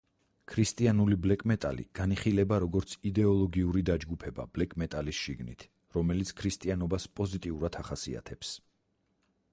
ქრისტიანული ბლეკ-მეტალი განიხილება, როგორც იდეოლოგიური დაჯგუფება ბლეკ-მეტალის შიგნით, რომელიც ქრისტიანობას პოზიტიურად ახასიათებს.